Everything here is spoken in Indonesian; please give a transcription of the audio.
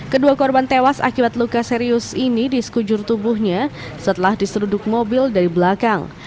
kedua korban tewas akibat luka serius ini di sekujur tubuhnya setelah diseruduk mobil dari belakang